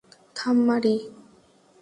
থাম, মারি।